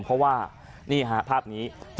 เพราะว่านี่ฮะภาพนี้